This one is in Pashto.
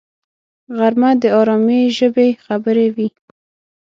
غرمه د آرامي ژبې خبرې وي